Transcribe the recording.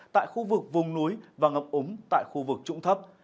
tại khu vực vùng núi và ngập úng tại khu vực trụng thấp